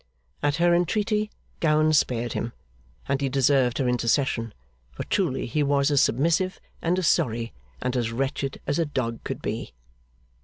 At her entreaty, Gowan spared him; and he deserved her intercession, for truly he was as submissive, and as sorry, and as wretched as a dog could be.